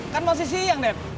kan masih siang deb